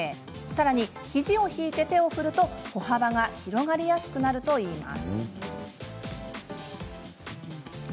さらに肘を引いて手を振ると歩幅が広がりやすくなるといいます。